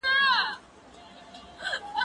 زه به سیر کړی وي،